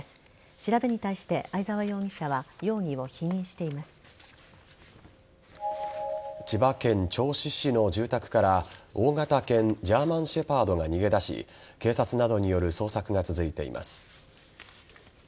調べに対して相沢容疑者は千葉県銚子市の住宅から大型犬ジャーマンシェパードが逃げ出し警察などによる捜索が続いています。